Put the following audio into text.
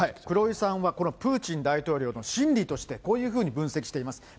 黒井さんはこのプーチン大統領の心理として、こういうふうに分析しています。